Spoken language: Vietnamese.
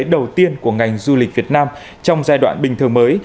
đầu tiên của ngành du lịch việt nam trong giai đoạn bình thường mới